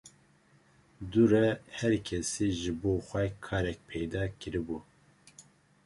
Dû re her kesî ji bo xwe karek peyda kiribû